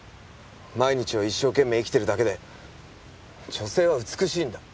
毎日を一生懸命生きてるだけで女性は美しいんだ。